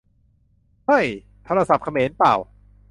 เฮ่ย โทรศัพท์เขมรป่าว !